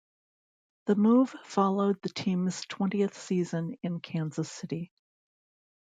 The move followed the team's twentieth season in Kansas City.